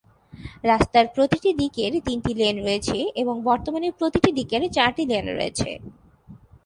রাস্তার প্রতিটি দিকের তিনটি লেন রয়েছে, এবং বর্তমানে প্রতিটি দিকের চারটি লেন রয়েছে।